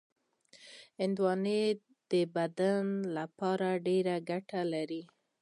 هندوانه د بدن لپاره ډېرې ګټې لري.